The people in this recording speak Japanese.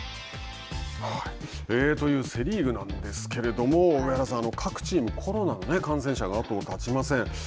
というセ・リーグなんですけれども上原さん、各チームコロナの感染者が後を絶ちません。